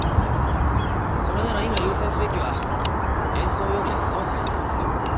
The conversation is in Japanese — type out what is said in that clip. それなら今優先すべきは演奏より捜査じゃないですか？